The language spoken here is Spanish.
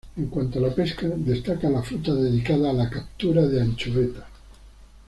En cuanto a la pesca destaca la flota dedicada a la captura de anchoveta.